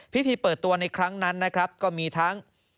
พิธีเปิดตัวในครั้งนั้นนะครับก็มีทั้ง